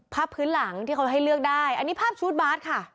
พื้นหลังที่เขาให้เลือกได้อันนี้ภาพชุดบาสค่ะ